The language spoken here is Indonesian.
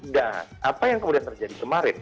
dan apa yang kemudian terjadi kemarin